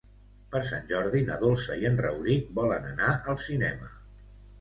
Per Sant Jordi na Dolça i en Rauric volen anar al cinema.